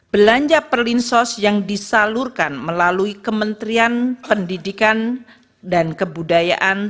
belanja perlinsos yang disalurkan melalui kementerian pendidikan dan kebudayaan